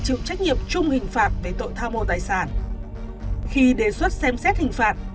chịu trách nhiệm chung hình phạt với tội tha mua tài sản khi đề xuất xem xét hình phạt